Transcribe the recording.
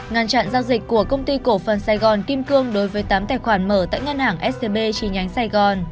ngăn chặn giao dịch của công ty cổ phần sài gòn kim cương đối với tám tài khoản mở tại ngân hàng scb chi nhánh sài gòn